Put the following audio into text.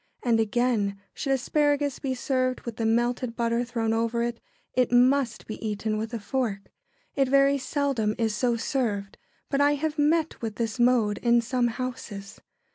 And again, should asparagus be served with the melted butter thrown over it, it must be eaten with a fork. It very seldom is so served, but I have met with this mode in some houses.